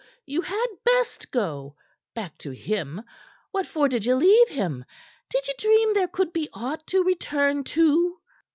You had best go back to him. What for did ye leave him? Did ye dream there could be aught to return to?"